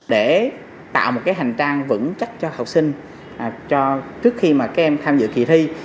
để tạo một hành trang vững chắc cho học sinh trước khi các em tham dự kỳ thi